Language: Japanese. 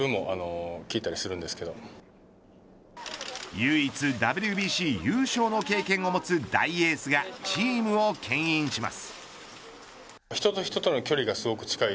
唯一、ＷＢＣ優勝の経験を持つ大エースがチームをけん引します。